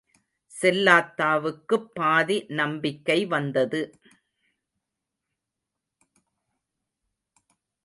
செல்லாத்தாவுக்குப் பாதி நம்பிக்கை வந்தது.